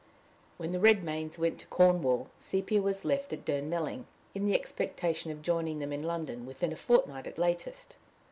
When the Redmains went to Cornwall, Sepia was left at Durnmelling, in the expectation of joining them in London within a fortnight at latest.